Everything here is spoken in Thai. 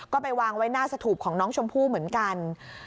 ก็ไปวางไว้หน้าสถูปของน้องชมพู่เหมือนกัน